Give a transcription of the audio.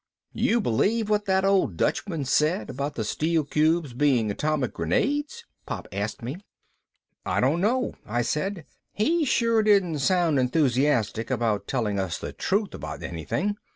"You believe what that old Dutchman said about the steel cubes being atomic grenades?" Pop asked me. "I don't know," I said, "He sure didn't sound enthusiastic about telling us the truth about anything.